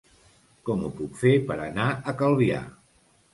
Com ho puc fer per anar a Calvià?